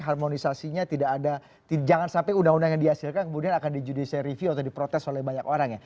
harmonisasinya tidak ada jangan sampai undang undang yang dihasilkan kemudian akan di judisi review atau diprotes oleh banyak orang ya